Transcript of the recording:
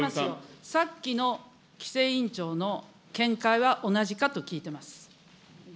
さっきの規制委員長の見解は同じかと聞いています。